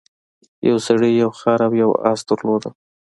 یو سړي یو خر او یو اس درلودل.